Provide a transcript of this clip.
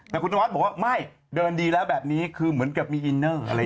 แต่คุณธนวัฒน์บอกว่าไม่เดินดีแล้วแบบนี้คือเหมือนกับมีอินเนอร์อะไรอย่างนี้